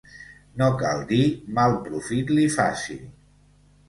No cal dir mal profit li faci.